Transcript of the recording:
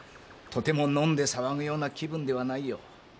とても飲んで騒ぐような気分ではないよ。